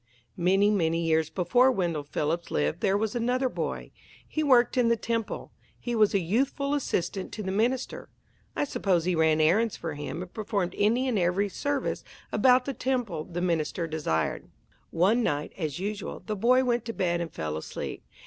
Many, many years before Wendell Phillips lived there was another boy. He worked in the temple. He was a youthful assistant to the minister. I suppose he ran errands for him, and performed any and every service about the temple the minister desired. One night, as usual, the boy went to bed and fell asleep.